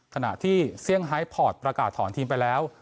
ขณะที่เซี่ยงไฮพอร์ตประกาศถอนทีมไปแล้ว